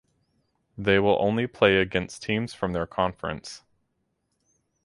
They will only play against teams from their conference.